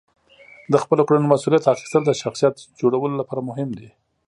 د خپلو کړنو مسئولیت اخیستل د شخصیت جوړولو لپاره مهم دي.